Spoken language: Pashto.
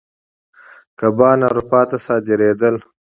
کبان اروپا ته صادرېدل.